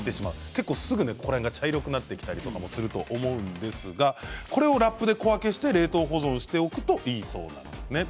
結構すぐに茶色くなってきたりもすると思うんですがこれをラップで小分けして冷凍保存しておくといいそうなんですね。